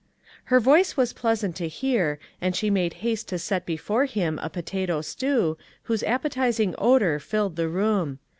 Her voice was pleasant to hear, and she made haste to set before him a potato stew, whose appetizing odor filled the room.